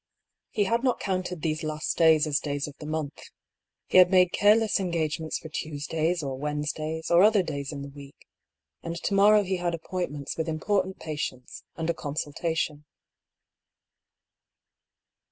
He had not counted these last days as days of the month. He had made careless engagements for Tues days or Wednesdays, or other days in the week ; and to morrow he had appointments with important patients, and a consultation.